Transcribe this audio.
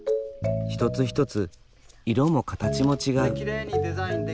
一つ一つ色も形も違う。